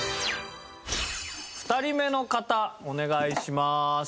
２人目の方お願いします。